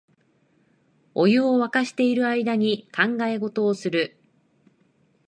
お湯をわかしてる間に考え事をする